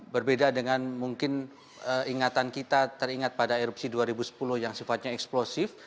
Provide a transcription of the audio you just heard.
berbeda dengan mungkin ingatan kita teringat pada erupsi dua ribu sepuluh yang sifatnya eksplosif